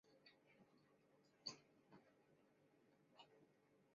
乌日人口变化图示